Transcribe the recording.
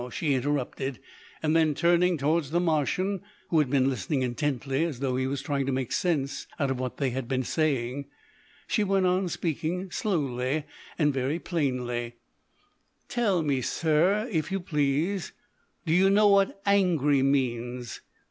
she interrupted, and then, turning towards the Martian, who had been listening intently as though he was trying to make sense out of what they had been saying, she went on speaking slowly and very plainly "Tell me, sir, if you please, do you know what 'angry' means?